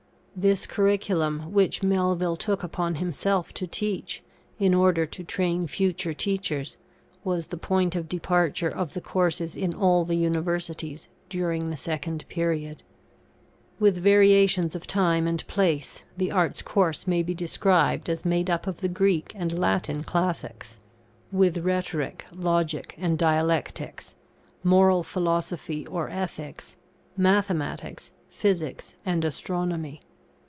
This curriculum, which Melville took upon himself to teach, in order to train future teachers, was the point of departure of the courses in all the Universities during the second period. With variations of time and place, the Arts' course may be described as made up of the Greek and Latin classics, with Rhetoric, Logic, and Dialectics, Moral Philosophy, or Ethics, Mathematics, Physics, and Astronomy.